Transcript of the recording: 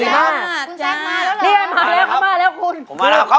สวัสดีครับคุณแซคมาแล้วหรอ